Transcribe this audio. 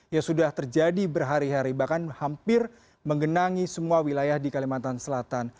yang sudah terjadi berhari hari bahkan hampir menggenangi semua wilayah di kalimantan selatan